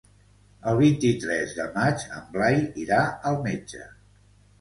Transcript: El vint-i-tres de maig en Blai irà al metge.